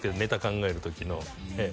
考える時のええ